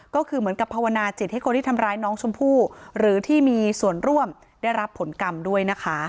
ก็คือเหมือนกับภาวนาจิตให้คนที่ทำร้ายน้องชมพู่หรือที่มีส่วนร่วมได้รับผลกรรมด้วยนะคะ